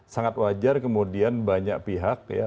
sangat wajar kemudian banyak pihak ya